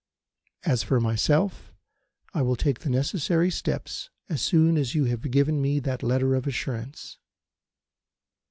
"As for myself, I will take the necessary steps as soon as you have given me that letter of assurance.